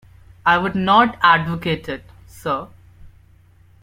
I would not advocate it, sir.